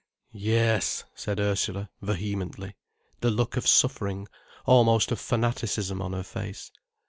"Yes," said Ursula, vehemently, the look of suffering, almost of fanaticism, on her face.